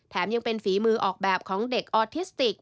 ยังเป็นฝีมือออกแบบของเด็กออทิสติก